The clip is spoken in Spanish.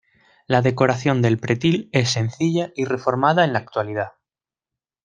La decoración del pretil es sencilla y reformada en la actualidad.